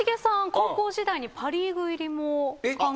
高校時代にパ・リーグ入りも考えられた？